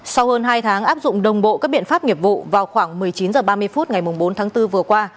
sau hơn hai tháng áp dụng đồng bộ các biện pháp nghiệp vụ vào khoảng một mươi chín h ba mươi phút ngày bốn tháng bốn vừa qua